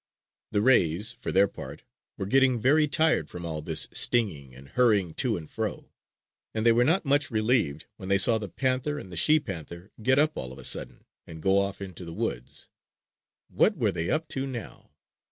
The rays, for their part, were getting very tired from all this stinging and hurrying to and fro. And they were not much relieved when they saw the panther and the she panther get up all of a sudden and go off into the woods. What were they up to now?